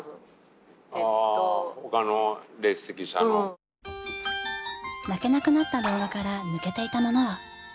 泣けなくなった動画から抜けていたものは。